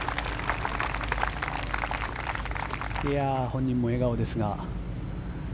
本人も笑顔ですが。